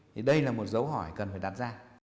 thì đây là một dấu hỏi cần phải đặt ra